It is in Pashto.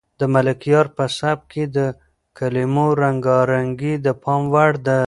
د ملکیار په سبک کې د کلمو رنګارنګي د پام وړ ده.